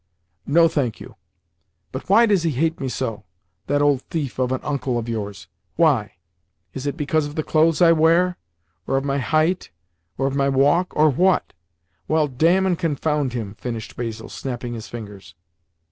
"No, thank you.—But why does he hate me so, that old thief of an uncle of yours? Why? Is it because of the clothes I wear, or of my height, or of my walk, or what? Well, damn and confound him!" finished Basil, snapping his fingers.